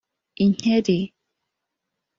Inkeri